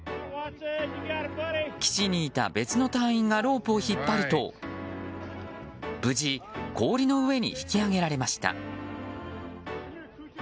岸にいた別の隊員がロープを引っ張ると無事、氷の上に引き上げられました。